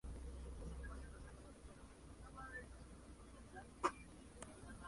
La orfebrería es obra de Cristóbal de Valenzuela.